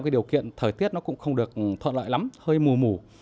điều kiện thời tiết cũng không được thuận lợi lắm hơi mù mù